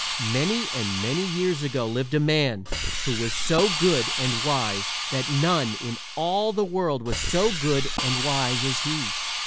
Many and many years ago lived a man who was so good and wise that none in all the world was so good and wise as he.